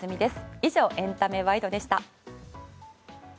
以上エンタメワイドでした。